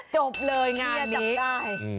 จบเลยงานนี้ที่จะจำได้